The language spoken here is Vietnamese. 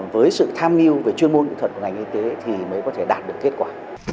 với sự tham mưu về chuyên môn kỹ thuật của ngành y tế thì mới có thể đạt được kết quả